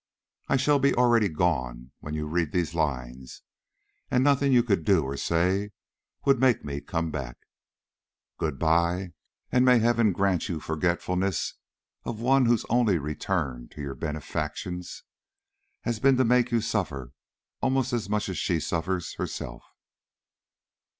I shall be already gone when you read these lines, and nothing you could do or say would make me come back. Good by, and may Heaven grant you forgetfulness of one whose only return to your benefactions has been to make you suffer almost as much as she suffers herself.